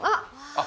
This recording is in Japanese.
あっ！